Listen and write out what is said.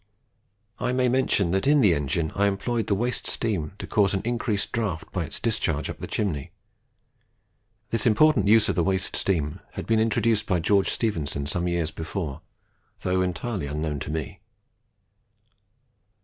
I may mention that in that engine I employed the waste steam to cause an increased draught by its discharge up the chimney. This important use of the waste steam had been introduced by George Stephenson some years before, though entirely unknown to me.